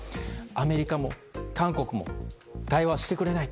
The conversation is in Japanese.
アメリカも韓国も対話してくれない。